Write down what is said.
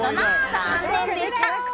残念でした。